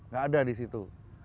gak ada di situ